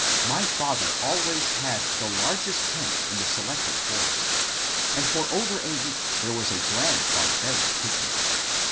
My father alwajrs had the largest tent in the selected forest, and for over a week there was a grand barbaric picnic.